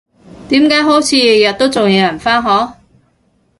點解好似日日都仲有人返學？